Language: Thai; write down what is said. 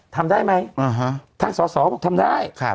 ทำได้ไหมทางสอสอบอกทำได้